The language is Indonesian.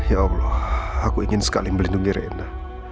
ya allah aku ingin sekali melindungi rena